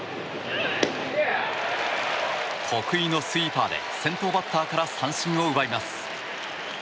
得意のスイーパーで先頭バッターから三振を奪います。